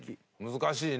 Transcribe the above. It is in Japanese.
難しいね。